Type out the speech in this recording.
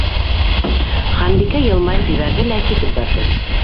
Ханбикә йылмайып ебәрҙе лә китеп барҙы.